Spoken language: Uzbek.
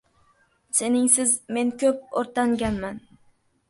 Seningsiz men ko‘p o‘rtanganman